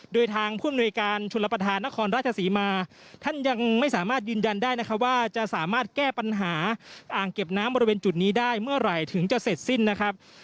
โดยทางผู้อำนวยการชนรับประทานนครราชศรีมาท่านยังไม่สามารถยืนยันได้นะครับว่าจะสามารถแก้ปัญหาอ่างเก็บน้ำบริเวณจุดนี้ได้เมื่อไหร่ถึงจะเสร็จสิ้นนะครับ